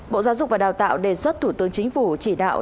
bộ giáo dục và đào tạo đề xuất thủ tướng chính phủ chỉ đạo